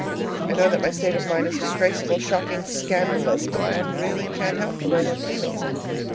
I know that my state of mind is disgraceful, shocking, scandalous, but one really can't help the way one feels.